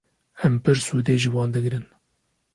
Em pir sûdê ji wan digirin.